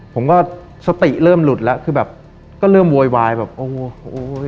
ผมก็สติเริ่มหลุดแล้วคือแบบก็เริ่มโวยวายแบบโอ้โห